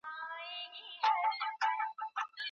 په جرګه کي ښځي نه وژل کېږي.